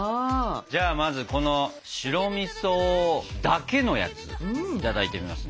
じゃあまずこの白みそだけのやついただいてみますね。